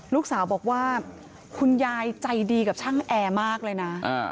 ลูกสาวบอกว่าคุณยายใจดีกับช่างแอร์มากเลยนะ